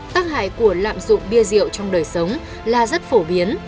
tác hại của lạm dụng bia rượu trong đời sống là rất phổ biến